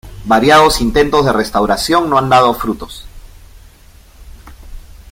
Variados intentos de restauración no han dado frutos.